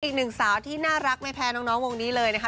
อีกหนึ่งสาวที่น่ารักไม่แพ้น้องวงนี้เลยนะคะ